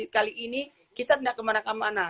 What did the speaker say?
kali ini kita tidak kemana mana